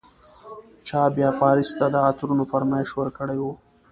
چا بیا پاریس ته د عطرونو فرمایش ورکړی و.